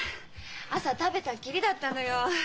朝食べたっきりだったのよ。